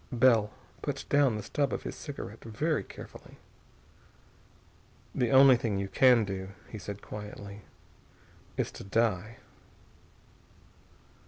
Bell put down the stub of his cigarette very carefully. "The only thing you can do," he said quietly, "is to die."